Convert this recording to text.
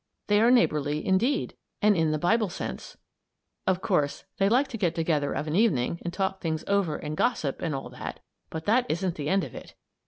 They are neighborly indeed; and in the Bible sense. Of course, they like to get together of an evening and talk things over and gossip and all that, but that isn't the end of it.